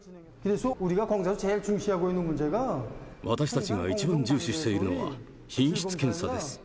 私たちが一番重視しているのは、品質検査です。